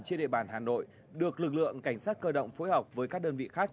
trên địa bàn hà nội được lực lượng cảnh sát cơ động phối hợp với các đơn vị khác